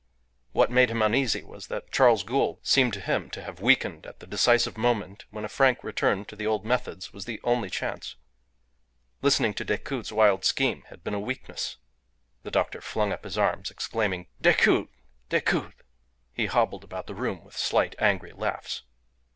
What made him uneasy was that Charles Gould seemed to him to have weakened at the decisive moment when a frank return to the old methods was the only chance. Listening to Decoud's wild scheme had been a weakness. The doctor flung up his arms, exclaiming, "Decoud! Decoud!" He hobbled about the room with slight, angry laughs.